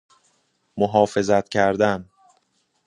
محافظت کردن